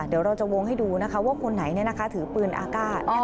เดี๋ยวเราจะวงให้ดูนะคะว่าคนไหนถือปืนอากาศ